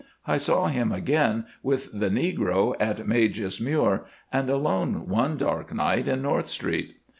I saw him again with the negro at Magus Muir, and alone one dark night in North Street.